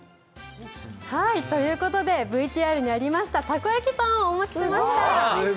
ＶＴＲにありました、たこ焼きパンをお持ちしました。